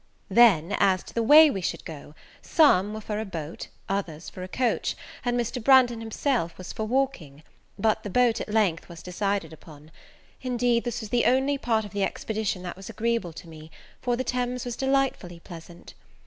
Then, as to the way we should go; some were for a boat, others for a coach, and Mr. Branghton himself was for walking; but the boat at length was decided upon. Indeed this was the only part of the expedition that was agreeable to me; for the Thames was delightfully pleasant.